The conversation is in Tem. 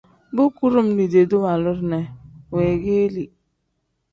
Bu kudum liidee-duu waaluru ne weegeeli.